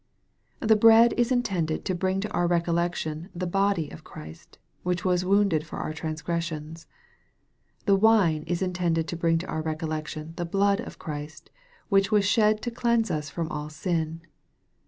The bread is intended to bring to our recollection the " body" of Christ, which was wounded for our transgressions. The wine is intended to bring to our recollection the " blood" of Christ, which was shed to cleanse us from all sin.